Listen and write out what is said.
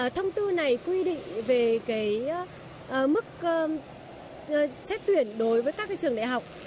thông tư này quy định về mức xét tuyển đối với các trường đại học